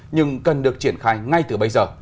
nhưng cần được triển khai ngay từ bây giờ